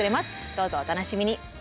どうぞお楽しみに。